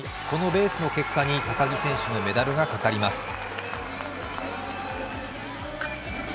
このレースの結果に高木選手のメダルがかかります。